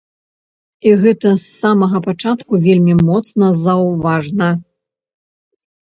І гэта з самага пачатку вельмі моцна заўважна.